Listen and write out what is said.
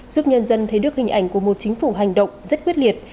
giúp nhân dân thấy được hình ảnh của một chính phủ hành động rất quyết liệt